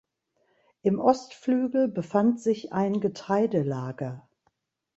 Im Ostflügel befand sich ein Getreidelager.